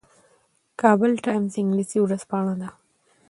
کابل ټایمز انګلیسي ورځپاڼه ده